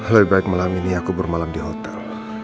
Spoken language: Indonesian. lebih baik malam ini aku bermalam di hotel